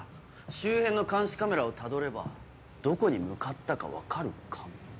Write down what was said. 周辺の監視カメラをたどればどこに向かったか分かるかも。